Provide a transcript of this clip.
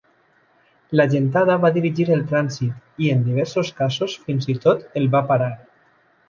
La gentada va dirigir el trànsit i, en diversos casos, fins i tot el va parar.